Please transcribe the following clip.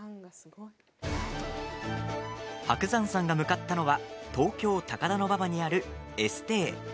伯山さんが向かったのは東京・高田馬場にあるエステー。